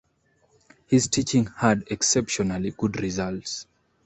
His teaching had exceptionally good results.